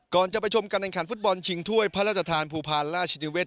ก่อนจะไปชมการแข่งขันฟุตบอลชิงถ้วยพระราชทานภูพาลราชนิเศษ